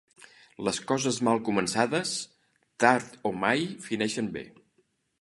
Les coses mal començades, tard o mai fineixen bé.